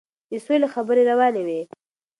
د سولې خبرې روانې وې.